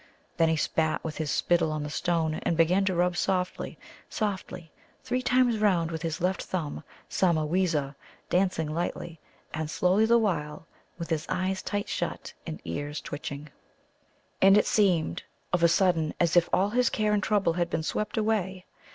Then he spat with his spittle on the stone, and began to rub softly, softly, three times round with his left thumb Sāmaweeza, dancing lightly, and slowly the while, with eyes tight shut and ears twitching. And it seemed of a sudden as if all his care and trouble had been swept away.